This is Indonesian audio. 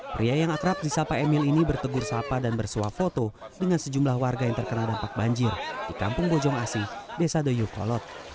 pria yang akrab di sapa emil ini bertegur sapa dan bersuap foto dengan sejumlah warga yang terkena dampak banjir di kampung bojong asi desa doyukolot